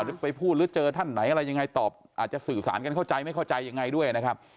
หรือไปพูดหรือเจอท่านไหนอะไรยังไงตอบอาจจะสื่อสารกันเข้าใจไม่เข้าใจยังไงด้วยนะครับ